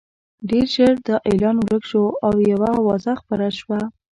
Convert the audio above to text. ډېر ژر دا اعلان ورک شو او یوه اوازه خپره شوه.